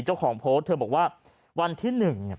เจ้าของโพสเธอบอกว่าวันที่๑